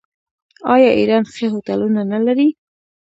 آیا ایران ښه هوټلونه نلري؟